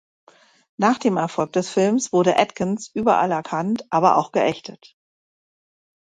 Nach dem Erfolg des Filmes, wurde Atkins überall erkannt, aber auch geächtet.